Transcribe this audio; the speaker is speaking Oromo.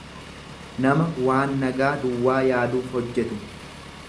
nama waan nagaa duwwaa yaaduuf hojjetu.